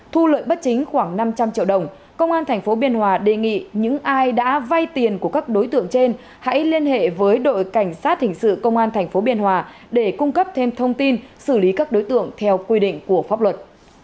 thu lợi bất chính khoảng năm trăm linh triệu đồng công an tp biên hòa đề nghị những ai đã vay tiền của các đối tượng trên hãy liên hệ với đội cảnh sát hình sự công an tp biên hòa để cung cấp thêm thông tin xử lý các đối tượng theo quy định của pháp luật